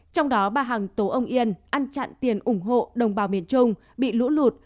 trong đó bà hằng tổ ông yên ăn chặn tiền ủng hộ đồng bào miền trung bị lũ lụt